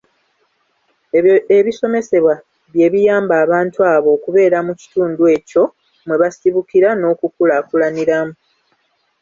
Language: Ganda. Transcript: Ebyo ebisomesebwa bye biyamba abantu abo okubeera mu kitundu ekyo mwe basibukira n’okukulaakulaniramu.